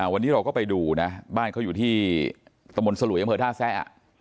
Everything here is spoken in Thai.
วันนี้เราก็ไปดูนะบ้านเขาอยู่ที่ตะมนต์สลุยอำเภอท่าแซะ